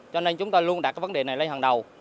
cho nên chúng ta luôn đặt vấn đề này lên hàng đầu